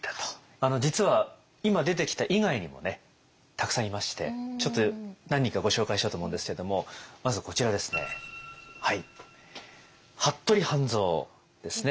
あの実は今出てきた以外にもねたくさんいましてちょっと何人かご紹介しようと思うんですけれどもまずこちらですね服部半蔵ですね。